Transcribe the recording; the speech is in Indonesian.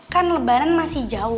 kan lebaran masih jauh